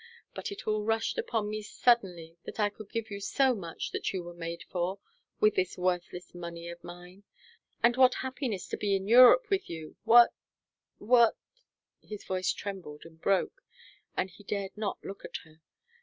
But it all rushed upon me suddenly that I could give you so much that you were made for, with this worthless money of mine. And what happiness to be in Europe with you what what " His voice trembled and broke, and he dared not look at her.